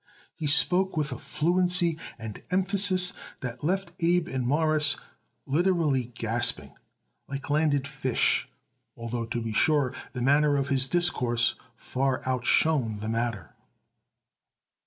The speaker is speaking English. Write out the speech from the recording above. He spoke with a fluency and emphasis that left Abe and Morris literally gasping like landed fish, although, to be sure, the manner of his discourse far outshone the matter.